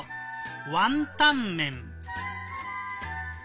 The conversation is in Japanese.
「ワンタンメン」。